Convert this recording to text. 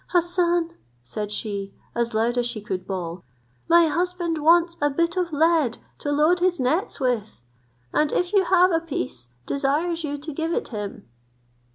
"Hassan," said she, as loud as she could bawl, "my husband wants a bit of lead to load his nets with; and if you have a piece, desires you to give it him."